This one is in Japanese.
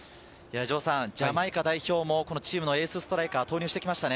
ジャマイカ代表もチームのエースストライカーを投入してきましたね。